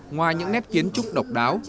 ngoài những nét kiến trúc độc đáo